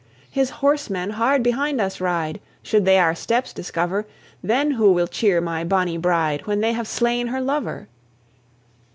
"His horsemen hard behind us ride; Should they our steps discover, Then who will cheer my bonny bride When they have slain her lover?"